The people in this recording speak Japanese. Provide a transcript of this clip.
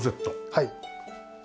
はい。